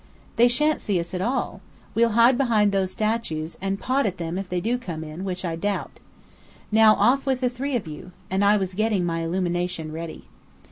"They shan't see us at all. We'll hide behind those statues and pot at them if they do come in, which I doubt. Now, off with the three of you!" And I was getting my illumination ready.